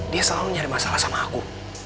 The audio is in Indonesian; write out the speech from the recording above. dia selalu nyari masalah sama aku